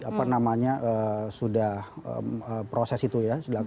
apa namanya sudah proses itu ya